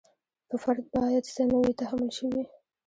په فرد باید څه نه وي تحمیل شوي.